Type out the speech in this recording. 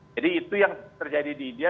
jadi itu yang terjadi di india